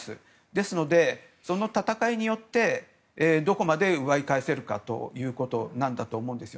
ですので、その戦いによってどこまで奪い返せるかということなんだと思います。